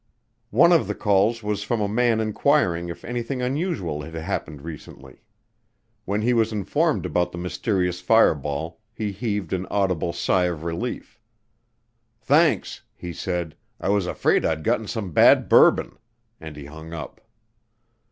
One of the calls was from a man inquiring if anything unusual had happened recently. When he was informed about the mysterious fireball he heaved an audible sigh of relief, "Thanks," he said, "I was afraid I'd gotten some bad bourbon." And he hung up.